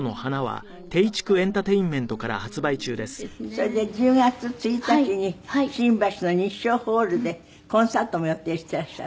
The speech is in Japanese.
それで１０月１日に新橋のニッショーホールでコンサートも予定していらっしゃる。